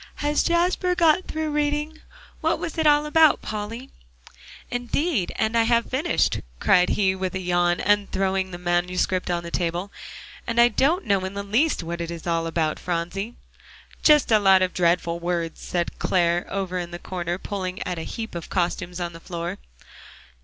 "Has Jasper got through reading? What was it all about, Polly?" "Indeed and I have finished," he cried with a yawn and throwing the manuscript on the table, "and I don't know in the least what it is all about, Phronsie." "Just a lot of dreadful words," said Clare over in the corner, pulling at a heap of costumes on the floor.